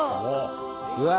うわ！